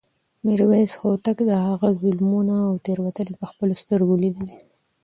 میرویس هوتک د هغه ظلمونه او تېروتنې په خپلو سترګو لیدې.